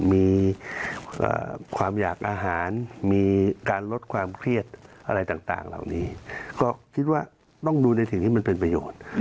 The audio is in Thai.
มีความอยากอาหารมีการลดความเครียดอะไรต่างเหล่านี้ก็คิดว่าต้องดูในสิ่งที่มันเป็นประโยชน์